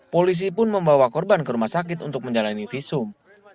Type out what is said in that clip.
polisi pun membawa korban ke rumah sakit untuk menjalani visum